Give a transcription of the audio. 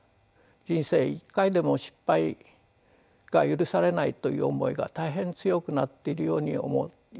人生一回でも失敗が許されないという思いが大変強くなっているように思います。